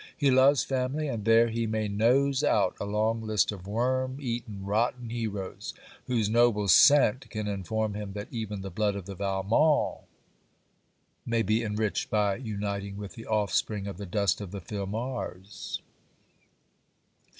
He loves family; and there he may nose out a long list of worm eaten rotten heroes, whose noble scent can inform him that even the blood of the Valmonts may be enriched by uniting with the offspring of the dust of the Filmars.